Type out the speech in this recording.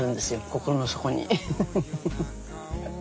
心の底に。